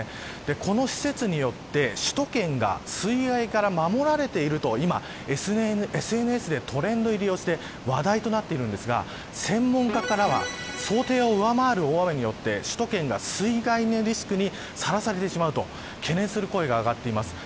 この施設によって、首都圏が水害から守られていると今ＳＮＳでトレンド入りをして話題となっているんですが専門家からは想定を上回る雨量によって首都圏が水害リスクにさらされてしまうという懸念の声が上がっています。